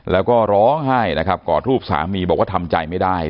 แล้วก็ร้องไห้นะครับกอดรูปสามีบอกว่าทำใจไม่ได้